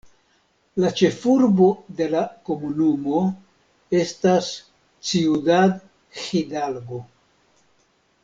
La ĉefurbo de la komunumo estas Ciudad Hidalgo.